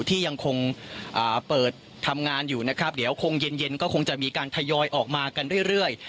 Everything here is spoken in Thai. ที่ยังคงเปิดทำงานอยู่นะครับเดี๋ยวคงเย็นเย็นก็คงจะมีการทยอยออกมากันเรื่อย